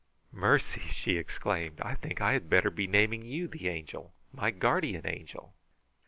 "Mercy!" she exclaimed. "I think I had better be naming you the 'Angel.' My Guardian Angel."